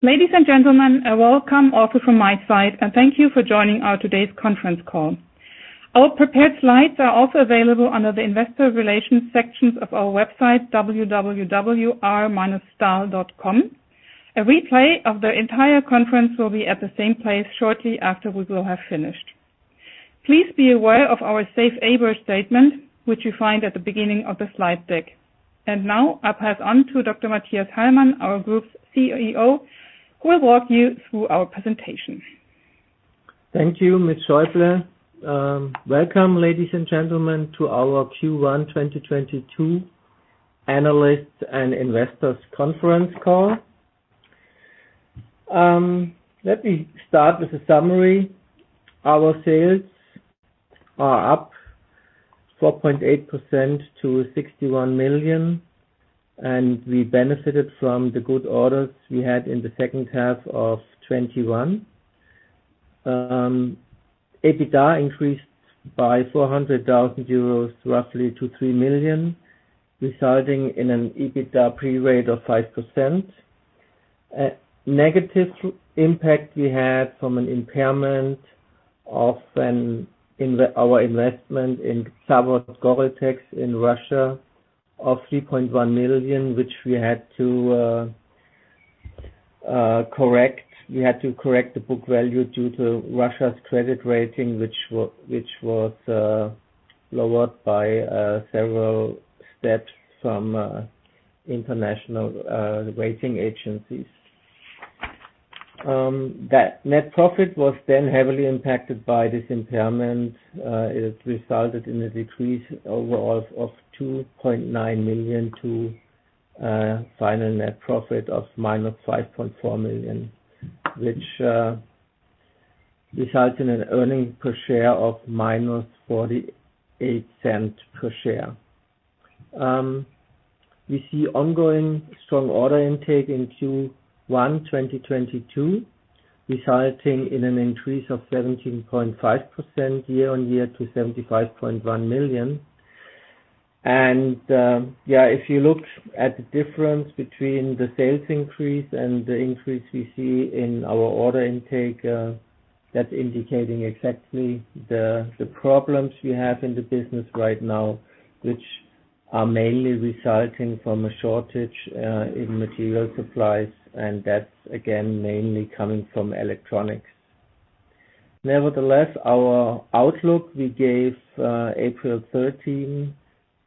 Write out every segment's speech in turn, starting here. Ladies and gentlemen, a welcome also from my side, and thank you for joining our today's conference call. Our prepared slides are also available under the Investor Relations section of our website, www.r-stahl.com. A replay of the entire conference will be at the same place shortly after we will have finished. Please be aware of our safe harbor statement, which you find at the beginning of the slide deck. Now I pass on to Dr. Mathias Hallmann, our Group CEO, who will walk you through our presentation. Thank you, Ms. Schäuble. Welcome, ladies and gentlemen, to our Q1 2022 Analysts and Investors Conference Call. Let me start with a summary. Our sales are up 4.8% to 61 million, and we benefited from the good orders we had in the second half of 2021. EBITDA increased by 400,000 euros, roughly to 3 million, resulting in an EBITDA pre exceptionals rate of 5%. A negative impact we had from an impairment in our investment in ZAVOD Goreltex in Russia of 3.1 million, which we had to correct. We had to correct the book value due to Russia's credit rating, which was lowered by several steps from international rating agencies. That net profit was then heavily impacted by this impairment. It resulted in a decrease overall of 2.9 million to final net profit of -5.4 million, which results in earnings per share of -0.48 EUR per share. We see ongoing strong order intake in Q1 2022, resulting in an increase of 17.5% year-on-year to 75.1 million. If you look at the difference between the sales increase and the increase we see in our order intake, that's indicating exactly the problems we have in the business right now, which are mainly resulting from a shortage in material supplies, and that's again mainly coming from electronics. Nevertheless, our outlook we gave April 13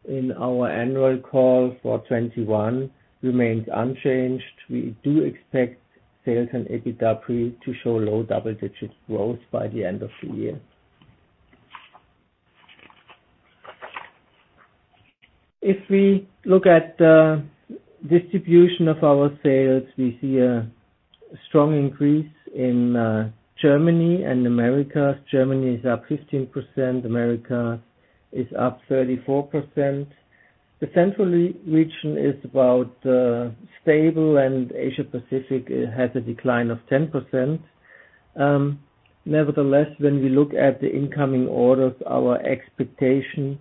in our annual call for 2021 remains unchanged. We do expect sales and EBITDA pre to show low double-digit growth by the end of the year. If we look at the distribution of our sales, we see a strong increase in Germany and America. Germany is up 15%, America is up 34%. The Central Region is about stable, and Asia Pacific has a decline of 10%. Nevertheless, when we look at the incoming orders, our expectation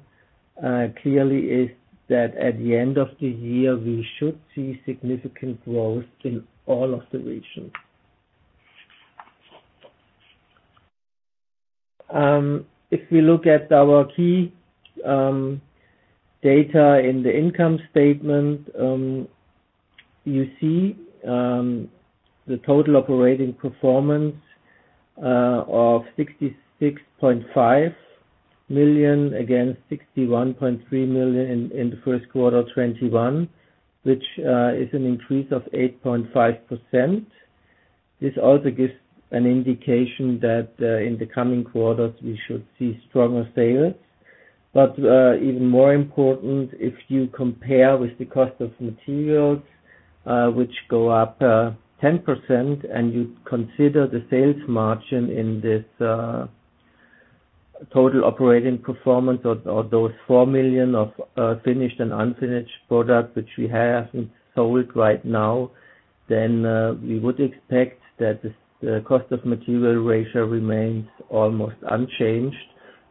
clearly is that at the end of the year, we should see significant growth in all of the regions. If we look at our key data in the income statement, you see the total operating performance of 66.5 million against 61.3 million in the Q1 of 2021, which is an increase of 8.5%. This also gives an indication that in the coming quarters, we should see stronger sales. Even more important, if you compare with the cost of materials, which go up 10%, and you consider the sales margin in this total operating performance of those 4 million of finished and unfinished product which we haven't sold right now, then we would expect that the cost of material ratio remains almost unchanged.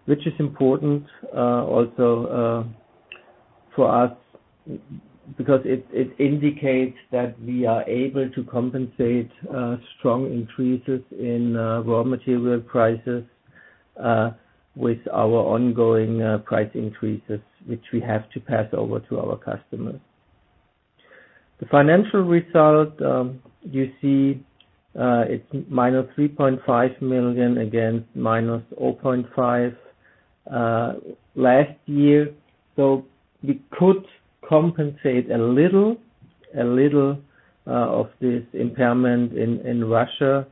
Which is important also for us because it indicates that we are able to compensate strong increases in raw material prices with our ongoing price increases, which we have to pass over to our customers. The financial result you see it's -3.5 million, again -0.5 million last year. We could compensate a little of this impairment in Russia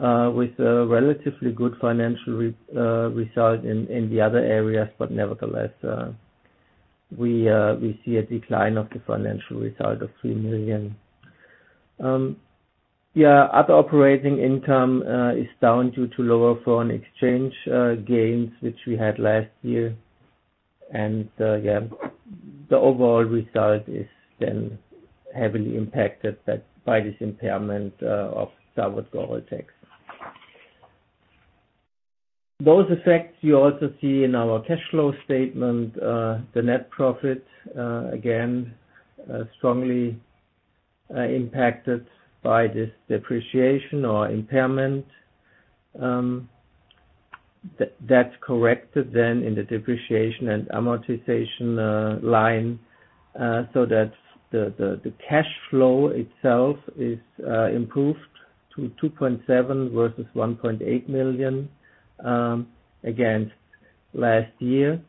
with a relatively good financial result in the other areas. Nevertheless, we see a decline of the financial result of 3 million. Other operating income is down due to lower foreign exchange gains, which we had last year. The overall result is then heavily impacted by this impairment of ZAVOD Goreltex. Those effects you also see in our cash flow statement. The net profit again strongly impacted by this depreciation or impairment. That's corrected then in the depreciation and amortization line, so that the cash flow itself is improved to 2.7 million versus 1.8 million against last year.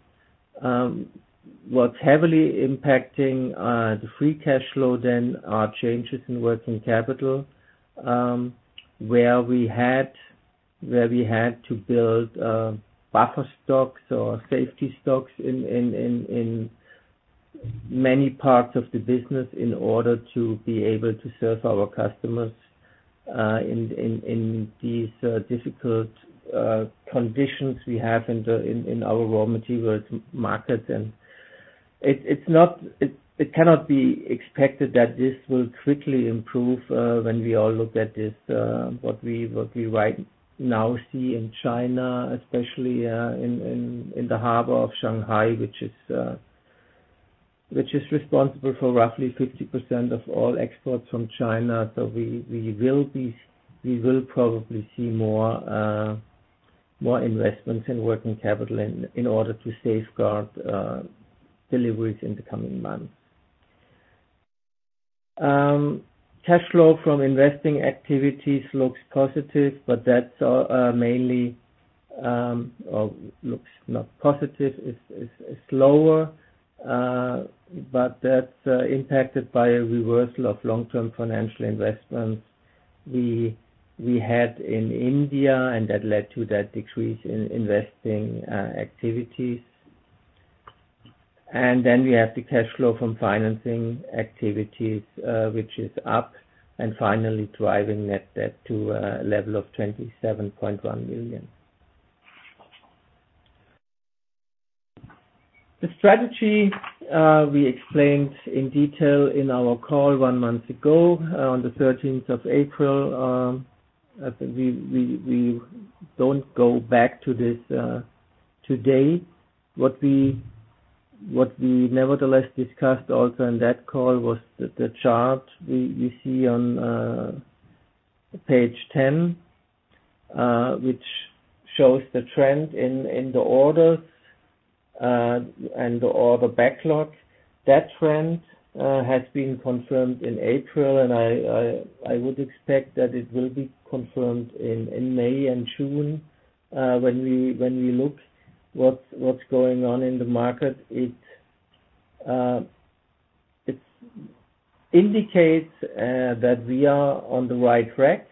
What's heavily impacting the free cash flow then are changes in working capital, where we had to build buffer stocks or safety stocks in many parts of the business in order to be able to serve our customers in these difficult conditions we have in our raw materials market. It cannot be expected that this will quickly improve when we all look at this what we right now see in China, especially in the harbor of Shanghai, which is responsible for roughly 50% of all exports from China. We will probably see more investments in working capital in order to safeguard deliveries in the coming months. Cash flow from investing activities looks positive, but that's mainly, looks not positive, it's slower, but that's impacted by a reversal of long-term financial investments we had in India, and that led to that decrease in investing activities. Then we have the cash flow from financing activities, which is up and finally driving net debt to a level of 27.1 million. The strategy we explained in detail in our call one month ago on the 13th of April. I think we don't go back to this today. What we nevertheless discussed also in that call was the chart we see on page 10, which shows the trend in the orders and order backlog. That trend has been confirmed in April, and I would expect that it will be confirmed in May and June when we look what's going on in the market. It indicates that we are on the right track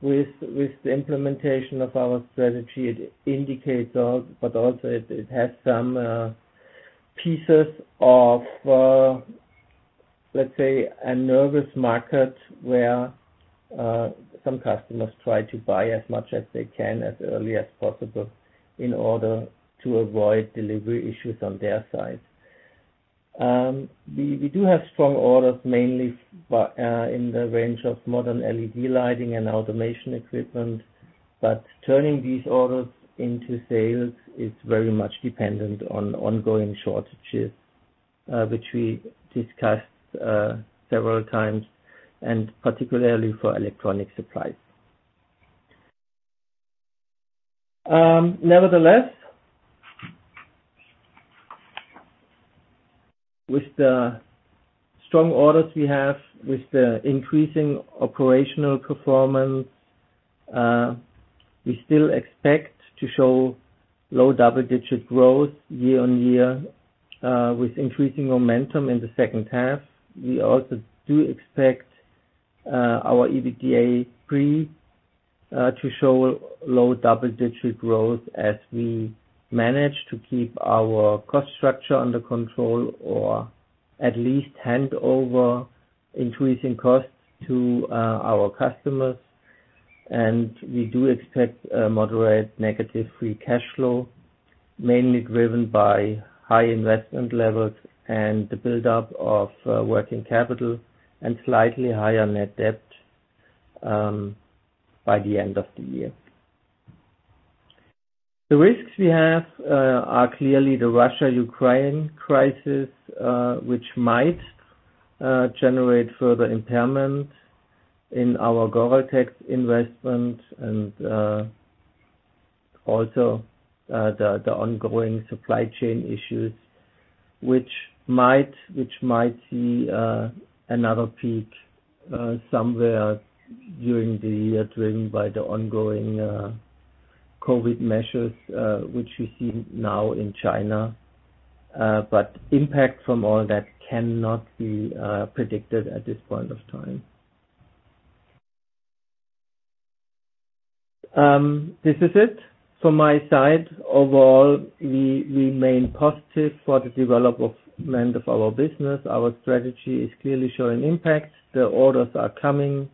with the implementation of our strategy. It indicates, but also it has some pieces of, let's say, a nervous market where some customers try to buy as much as they can as early as possible in order to avoid delivery issues on their side. We do have strong orders, mainly in the range of modern LED lighting and automation equipment, but turning these orders into sales is very much dependent on ongoing shortages, which we discussed several times, and particularly for electronic supplies. Nevertheless, with the strong orders we have, with the increasing operational performance, we still expect to show low double-digit growth year-over-year, with increasing momentum in the second half. We also do expect our EBITDA pre to show low double-digit growth as we manage to keep our cost structure under control or at least hand over increasing costs to our customers. We do expect a moderate negative free cash flow, mainly driven by high investment levels and the buildup of working capital and slightly higher net debt by the end of the year. The risks we have are clearly the Russia-Ukraine crisis, which might generate further impairment in our Goreltex investment and also the ongoing supply chain issues, which might see another peak somewhere during the year, driven by the ongoing COVID measures which we see now in China. Impact from all that cannot be predicted at this point of time. This is it from my side. Overall, we remain positive for the development of our business. Our strategy is clearly showing impact. The orders are coming.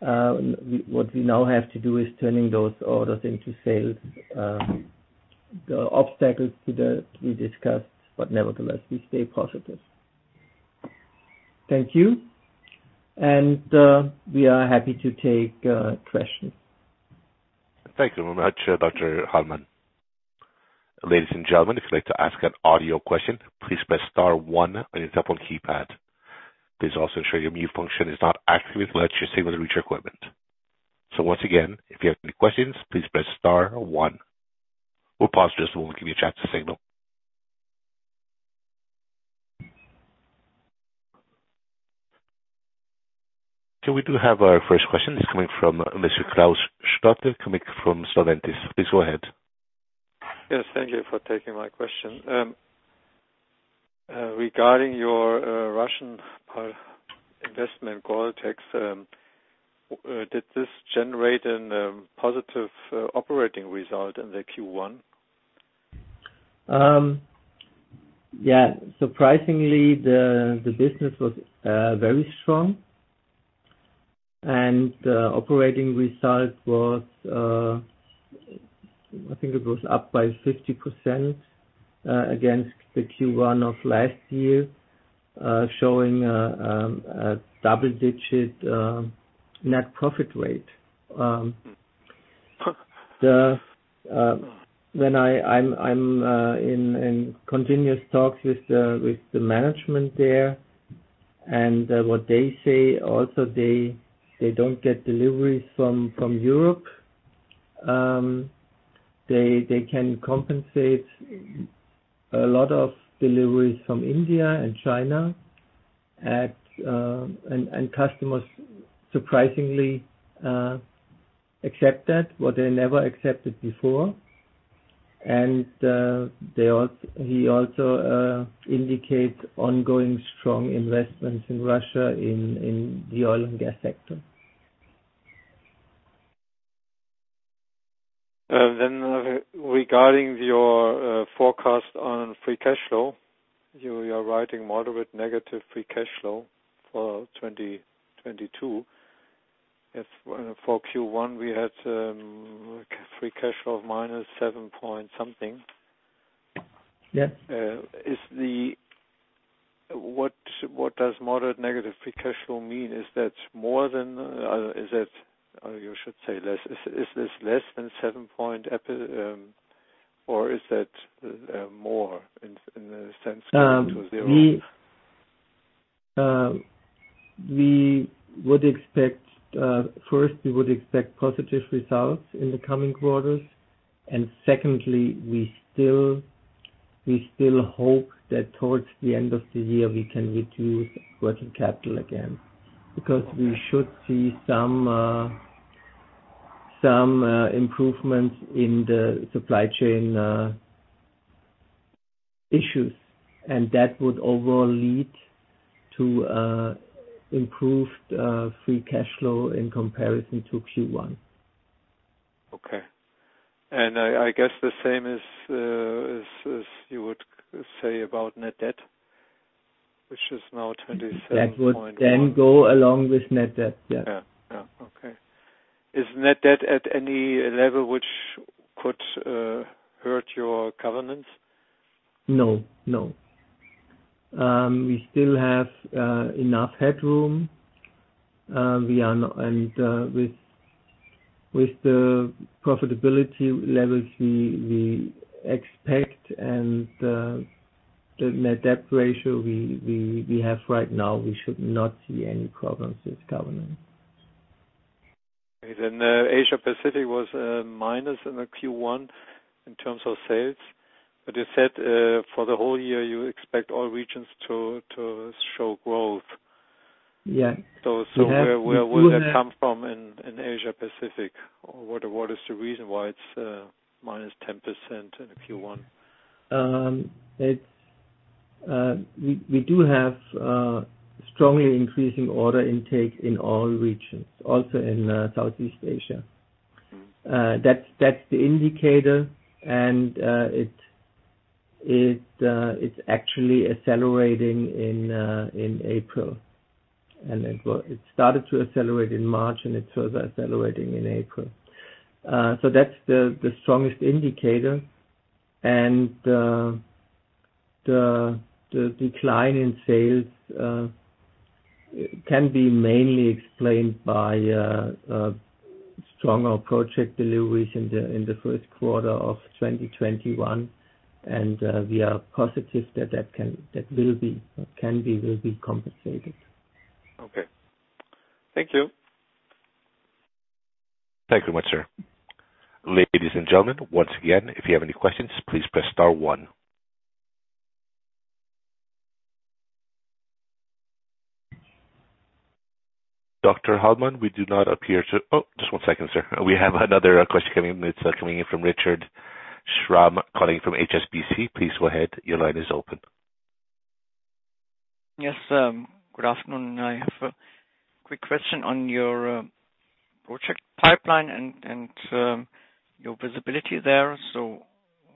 What we now have to do is turning those orders into sales. The obstacles we discussed, but nevertheless, we stay positive. Thank you. We are happy to take questions. Thank you very much, Dr. Hallmann. Ladies and gentlemen, if you'd like to ask an audio question, please press star one on your telephone keypad. Please also ensure your mute function is not activated once you're able to reach your equipment. Once again, if you have any questions, please press star one. We'll pause just a moment to give you a chance to signal. We do have our first question. It's coming from Mr. Klaus Schlote, coming from Solventis. Please go ahead. Yes, thank you for taking my question. Regarding your Russian investment, Goreltex, did this generate a positive operating result in the Q1? Yeah. Surprisingly, the business was very strong. Operating result was, I think it was up by 50% against the Q1 of last year, showing a double-digit net profit rate. I'm in continuous talks with the management there and what they say also they don't get deliveries from Europe. They can compensate a lot of deliveries from India and China, and customers surprisingly accept that, what they never accepted before. He also indicate ongoing strong investments in Russia in the oil and gas sector. Regarding your forecast on free cash flow, you are writing moderate negative free cash flow for 2022. If for Q1 we had free cash flow of EUR -7.something. Yes. What does moderate negative free cash flow mean? Is that more than? You should say less. Is this less than 7 point, or is it more in the sense coming to zero? We would expect first positive results in the coming quarters. Secondly, we still hope that towards the end of the year, we can reduce working capital again. Because we should see some improvements in the supply chain issues. That would overall lead to improved free cash flow in comparison to Q1. Okay. I guess the same is you would say about net debt, which is now 27.1. That would then go along with net debt, yes. Yeah. Okay. Is net debt at any level which could hurt your governance? No. No. We still have enough headroom. With the profitability levels we expect and the net debt ratio we have right now, we should not see any problems with governance. Asia Pacific was minus in the Q1 in terms of sales. You said for the whole year you expect all regions to show growth. Yeah. Where would that come from in Asia Pacific? Or what is the reason why it's -10% in the Q1? We do have strongly increasing order intake in all regions, also in Southeast Asia. That's the indicator and it's actually accelerating in April. It started to accelerate in March, and it's further accelerating in April. So that's the strongest indicator. The decline in sales can be mainly explained by a stronger project deliveries in the Q1 of 2021. We are positive that that will be compensated. Okay. Thank you. Thank you much, sir. Ladies and gentlemen, once again, if you have any questions, please press star one. Dr. Hallmann. Oh, just one second, sir. We have another question coming in. It's coming in from Richard Schramm, calling from HSBC. Please go ahead. Your line is open. Yes, good afternoon. I have a quick question on your project pipeline and your visibility there.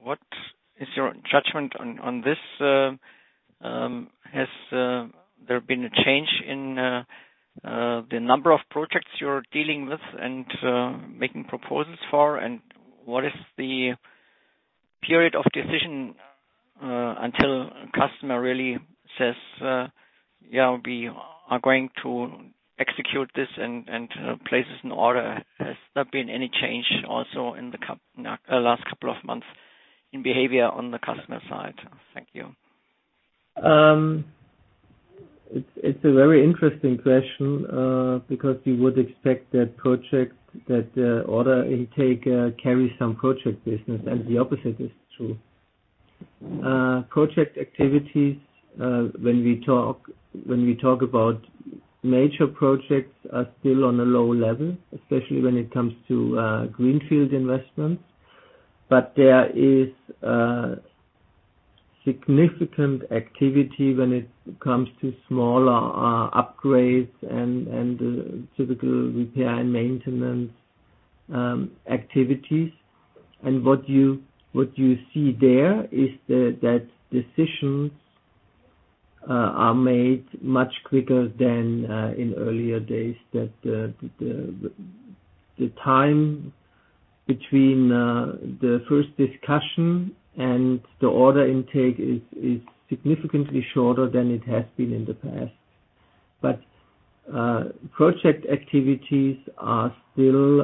What is your judgment on this? Has there been a change in the number of projects you're dealing with and making proposals for? What is the period of decision until customer really says yeah, we are going to execute this and places an order? Has there been any change also in the last couple of months in behavior on the customer side? Thank you. It's a very interesting question, because you would expect that project order intake carries some project business, and the opposite is true. Project activities, when we talk about major projects, are still on a low level, especially when it comes to greenfield investments. There is significant activity when it comes to smaller upgrades and typical repair and maintenance activities. What you see there is that decisions are made much quicker than in earlier days that the time between the first discussion and the order intake is significantly shorter than it has been in the past. Project activities are still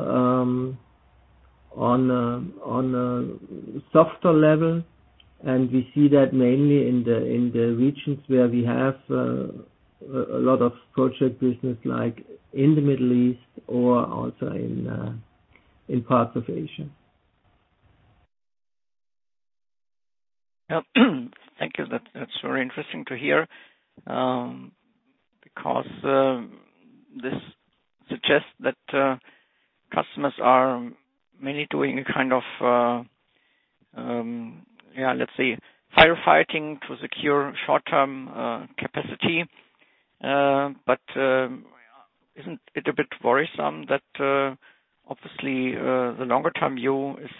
on a softer level, and we see that mainly in the regions where we have a lot of project business, like in the Middle East or also in parts of Asia. Yeah. Thank you. That's very interesting to hear, because this suggests that customers are mainly doing a kind of, yeah, let's say, firefighting to secure short-term capacity. Isn't it a bit worrisome that obviously the longer-term view is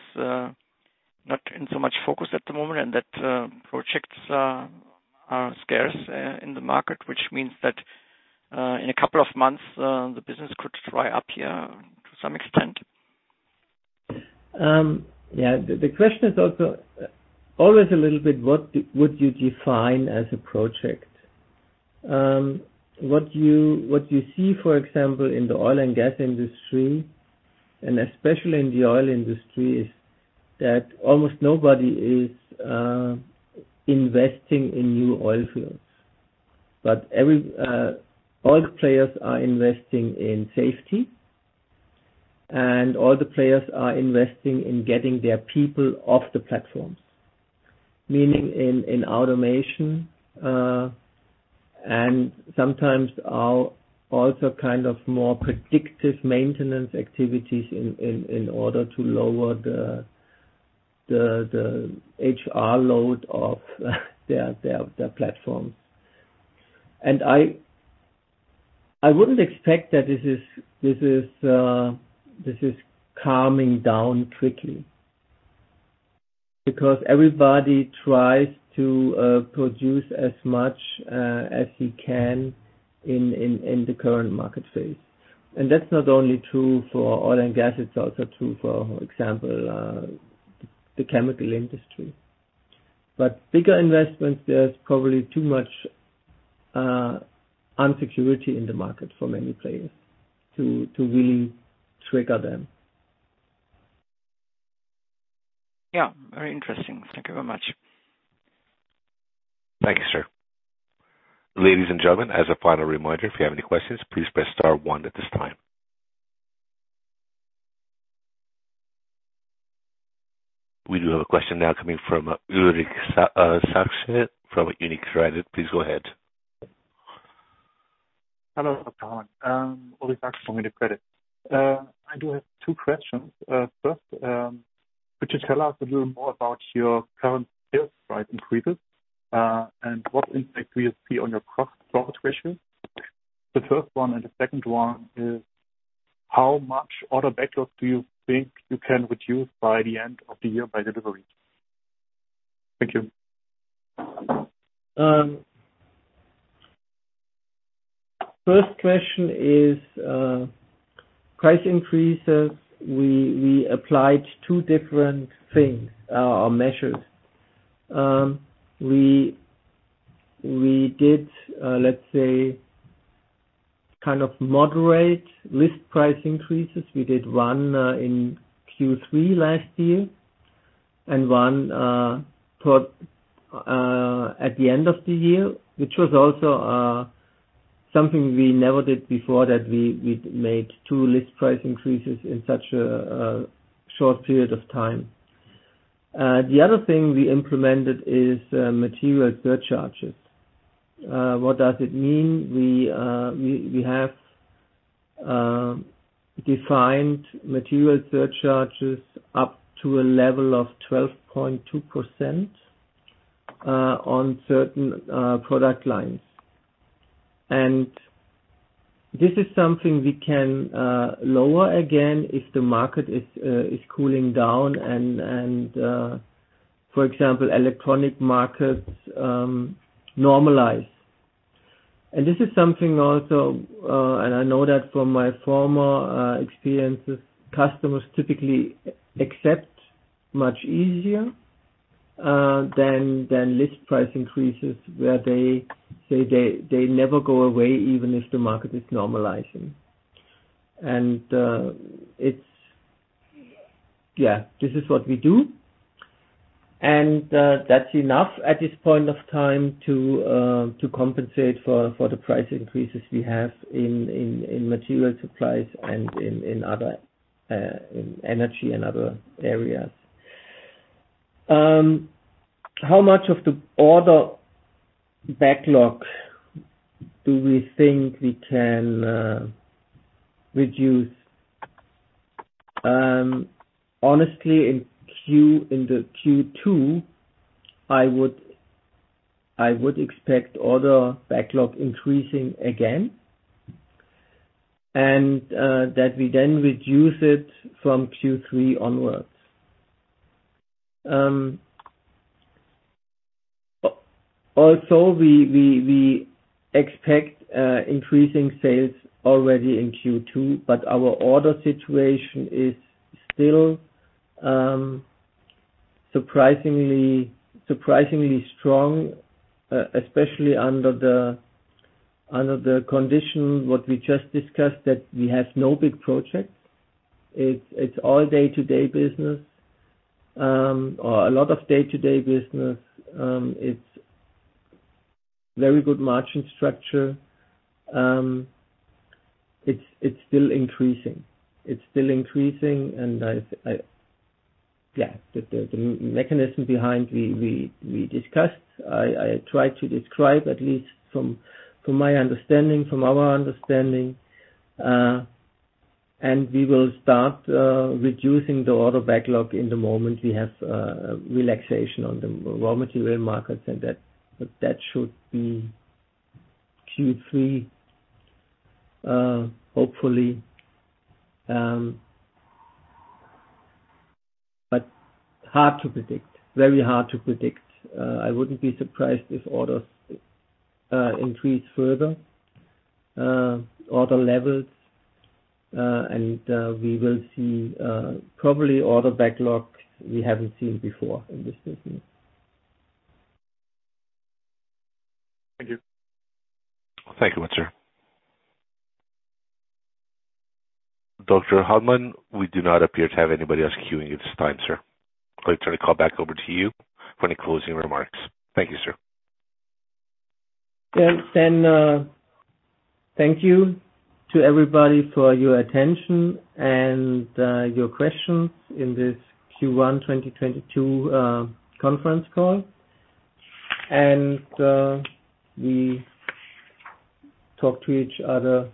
not in so much focus at the moment and that projects are scarce in the market, which means that in a couple of months the business could dry up here to some extent. Yeah. The question is also always a little bit what would you define as a project? What you see, for example, in the oil and gas industry, and especially in the oil industry, is that almost nobody is investing in new oil fields. But all players are investing in safety, and all the players are investing in getting their people off the platforms, meaning in automation, and sometimes also kind of more predictive maintenance activities in order to lower the HR load of their platforms. I wouldn't expect that this is calming down quickly because everybody tries to produce as much as he can in the current market phase. That's not only true for oil and gas. It's also true, for example, the chemical industry. Bigger investments, there's probably too much uncertainty in the market for many players to really trigger them. Yeah, very interesting. Thank you very much. Thank you, sir. Ladies and gentlemen, as a final reminder, if you have any questions, please press star one at this time. We do have a question now coming from Ulrich Sachse from UniCredit. Please go ahead. Hello, everyone. Ulrich Sachse from UniCredit. I do have two questions. First, could you tell us a little more about your current sales price increases, and what impact do you see on your gross margin? The first one and the second one is how much order backlog do you think you can reduce by the end of the year by delivery? Thank you. First question is price increases. We applied two different things or measures. We did, let's say, kind of moderate list price increases. We did one in Q3 last year and one towards the end of the year, which was also something we never did before, that we made two list price increases in such a short period of time. The other thing we implemented is material surcharges. What does it mean? We have defined material surcharges up to a level of 12.2% on certain product lines. This is something we can lower again if the market is cooling down and, for example, electronic markets normalize. This is something also and I know that from my former experiences, customers typically accept much easier than list price increases where they say they never go away even if the market is normalizing. Yeah, this is what we do. That's enough at this point of time to compensate for the price increases we have in material supplies and in energy and other areas. How much of the order backlog do we think we can reduce? Honestly, in the Q2, I would expect order backlog increasing again, and that we then reduce it from Q3 onwards. Also we expect increasing sales already in Q2, but our order situation is still surprisingly strong, especially under the condition what we just discussed, that we have no big projects. It's all day-to-day business, or a lot of day-to-day business. It's very good margin structure. It's still increasing. Yeah. The mechanism behind we discussed. I tried to describe at least from our understanding, and we will start reducing the order backlog in the moment we have relaxation on the raw material markets, and that should be Q3, hopefully. Hard to predict. Very hard to predict. I wouldn't be surprised if order levels increase further, and we will see probably order backlogs we haven't seen before in this business. Thank you. Thank you, sir. Dr. Hallmann, we do not appear to have anybody else queuing you this time, sir. Going to turn the call back over to you for any closing remarks. Thank you, sir. Yes. Thank you to everybody for your attention and your questions in this Q1 2022 conference call. We talk to each other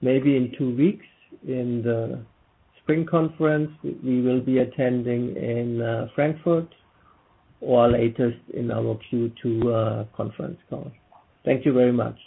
maybe in two weeks in the spring conference we will be attending in Frankfurt or later in our Q2 conference call. Thank you very much.